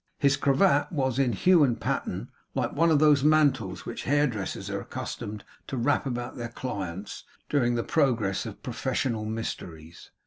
His cravat was, in hue and pattern, like one of those mantles which hairdressers are accustomed to wrap about their clients, during the progress of the professional mysteries.